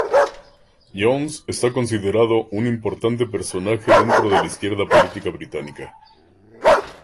Jones está considerado un importante personaje dentro de la izquierda política británica.